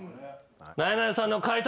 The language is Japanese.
なえなのさんの解答